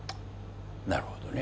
なるほどね。